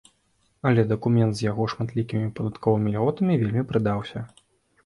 Але дакумент з яго шматлікімі падатковымі льготамі вельмі прыдаўся.